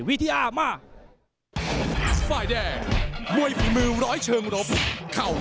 วิทยามาก